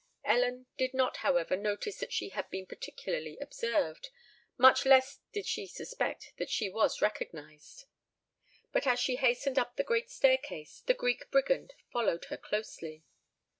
Ellen did not however notice that she had been particularly observed; much less did she suspect that she was recognised. But as she hastened up the great staircase, the Greek Brigand followed her closely.